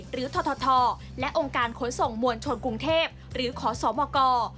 ททและองค์การขนส่งมวลชนกรุงเทพหรือขอสมก